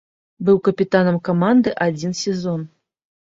Быў капітанам каманды адзін сезон.